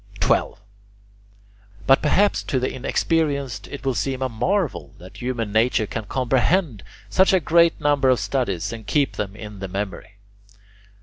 12. But perhaps to the inexperienced it will seem a marvel that human nature can comprehend such a great number of studies and keep them in the memory.